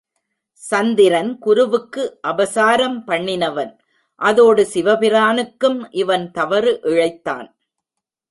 சந்திரன் குருவுக்கு அபசாரம் பண்ணினவன் அதோடு சிவபிரானுக்கும் இவன் தவறு இழைத்தான்.